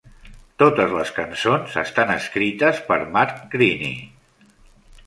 Totes les cançons estan escrites per Mark Greaney.